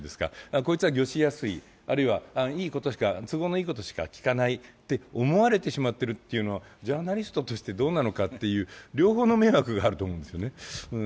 こいつは御しやすい、あるいは都合のいいことしか聞かないって思われてしまっているというのはジャーナリストとしてどうなのかという、両方の面があると思うんですよね。